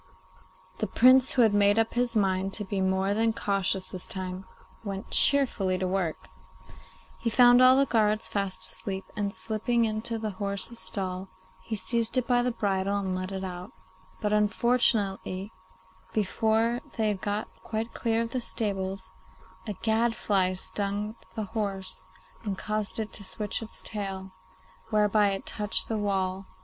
The Prince, who had made up his mind to be more than cautious this time, went cheerfully to work. He found all the guards fast asleep, and, slipping into the horse's stall, he seized it by the bridle and led it out; but, unfortunately, before they had got quite clear of the stables a gadfly stung the horse and caused it to switch its tail, whereby it touched the wall.